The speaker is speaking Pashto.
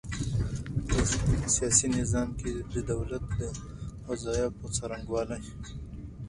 د اسلام په سياسي نظام کي د دولت د وظايفو څرنګوالي